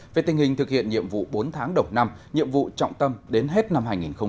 về tình hình thực hiện nhiệm vụ bốn tháng đầu năm nhiệm vụ trọng tâm đến hết năm hai nghìn hai mươi